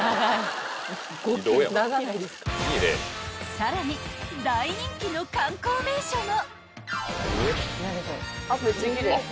［さらに大人気の観光名所も］